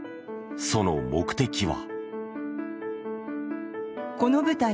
その目的は。